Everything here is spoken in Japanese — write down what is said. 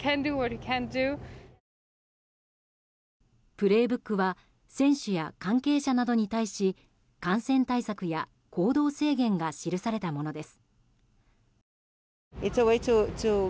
「プレイブック」は選手や関係者などに対し感染対策や行動制限が記されたものです。